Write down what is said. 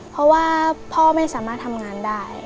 เพราะว่าพ่อไม่สามารถทำงานได้